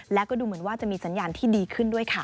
แล้วก็ดูเหมือนว่าจะมีสัญญาณที่ดีขึ้นด้วยค่ะ